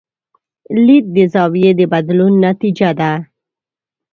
لید د زاویې د بدلون نتیجه ده.